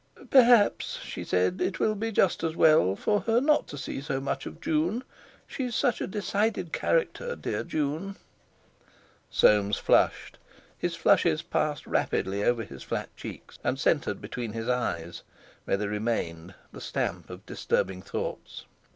"Perhaps," she said, "it will be just as well for her not to see so much of June. She's such a decided character, dear June!" Soames flushed; his flushes passed rapidly over his flat cheeks and centered between his eyes, where they remained, the stamp of disturbing thoughts.